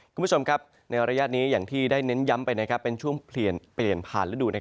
คุณผู้ชมครับในระยะนี้อย่างที่ได้เน้นย้ำไปเป็นช่วงเปลี่ยนผ่านฤดู